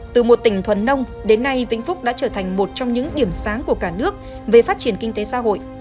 từ một tỉnh thuần nông đến nay vĩnh phúc đã trở thành một trong những điểm sáng của cả nước về phát triển kinh tế xã hội